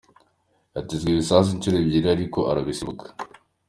Yatezwe ibisasu inshuro ebyiri ariko ararusimbuka.